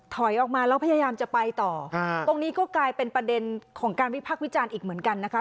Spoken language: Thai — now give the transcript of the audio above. ถอยออกมาแล้วพยายามจะไปต่อตรงนี้ก็กลายเป็นประเด็นของการวิพักษ์วิจารณ์อีกเหมือนกันนะคะ